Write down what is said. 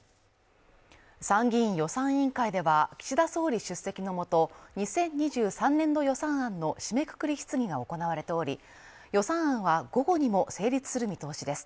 参議院予算委員会では、岸田総理出席のもと、２０２３年度予算案の締めくくり質疑が行われており、予算案は午後にも成立する見通しです。